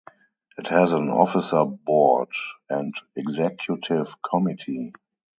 It has an officer board and executive committee.